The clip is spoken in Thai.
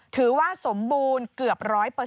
ถือว่าสมบูรณ์เกือบ๑๐๐